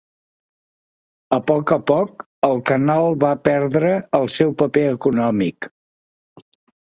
A poc a poc el canal va perdre el seu paper econòmic.